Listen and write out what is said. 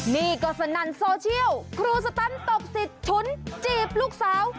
นี่ก็สนั่นโซเชียลครูสตันตบสิทธิ์ฉุนจีบลูกสาว